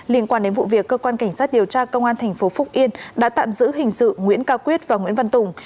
liên quan đến vụ việc cơ quan cảnh sát điều tra công an tp phúc yên đã tạm giữ hình sự nguyễn cao quyết và nguyễn văn tùng